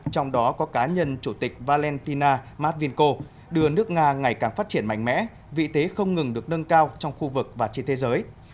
trong đó có cá nhân chủ tịch valentina matvinko đưa nước nga ngày càng phát triển mạnh mẽ vị thế không ngừng được nâng cao trong khu vực và trên thế giới